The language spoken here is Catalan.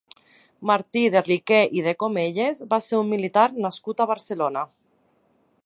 Martí de Riquer i de Comelles va ser un militar nascut a Barcelona.